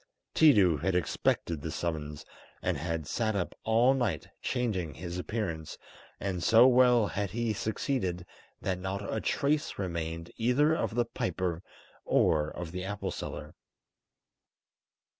Tiidu had expected this summons, and had sat up all night changing his appearance, and so well had he succeeded that not a trace remained either of the piper or of the apple seller.